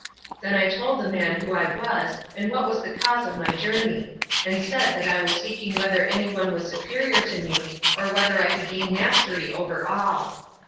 Then I told the man who I was and what was the cause of my journey, and said that I was seeking whether any one was superior to me, or whether I could gain mastery over all.